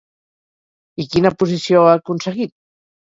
I quina posició ha aconseguit?